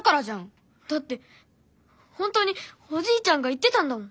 だって本当におじいちゃんが言ってたんだもん！